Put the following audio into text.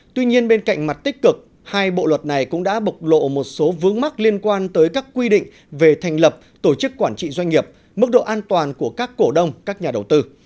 tuy nhiên bên cạnh mặt tích cực hai bộ luật này cũng đã bộc lộ một số vướng mắc liên quan tới các quy định về thành lập tổ chức quản trị doanh nghiệp mức độ an toàn của các cổ đông các nhà đầu tư